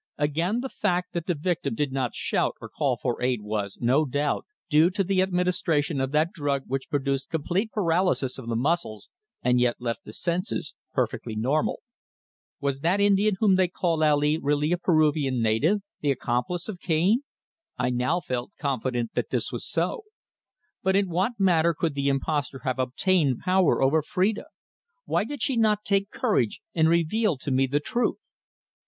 Again, the fact that the victim did not shout and call for aid was, no doubt, due to the administration of that drug which produced complete paralysis of the muscles, and yet left the senses perfectly normal. Was that Indian whom they called Ali really a Peruvian native the accomplice of Cane? I now felt confident that this was so. But in what manner could the impostor have obtained power over Phrida? Why did she not take courage and reveal to me the truth?